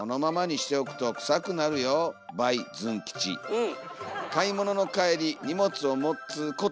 うん。